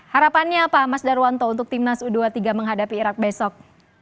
harapannya apa mas darwanto untuk timnas u dua puluh tiga menghadapi irak besok